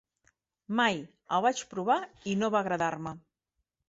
Mai! El vaig provar i no va agradar-me.